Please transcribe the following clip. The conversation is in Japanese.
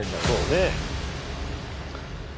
そうね。